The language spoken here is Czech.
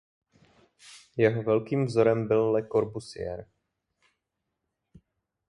Jeho velkým vzorem byl Le Corbusier.